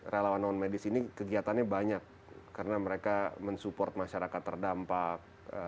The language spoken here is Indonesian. relawan non medis ini kegiatannya banyak karena mereka mensupport masyarakat terdampak